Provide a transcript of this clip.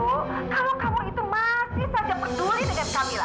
kalau kamu itu masih saja peduli dengan kamila